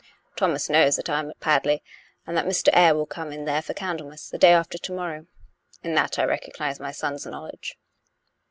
Thomas knows that I am at Padley, and that Mr. Eyre will come in there for Candlemas, the day after to morrow; in that I recognize my son's knowledge.